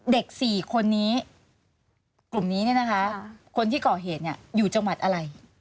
เด็ก๔คนนี้กลุ่มนี้เนี่ยนะคะคนที่ก่อเหตุอยู่จังหวัดอะไร